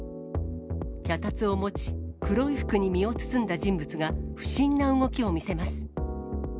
脚立を持ち、黒い服に身を包んだ人物が不審な動きを見せます。